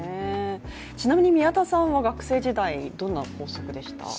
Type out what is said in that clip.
ちなみに宮田さんは学生時代、どんな校則でした？